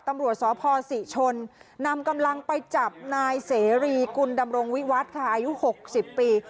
ตำรวจสพศรีชนนำกำลังไปจับนายเสรีกุลดำรงวิวัฒน์ค่ะอายุ๖๐ปี